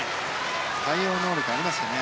対応能力がありますね。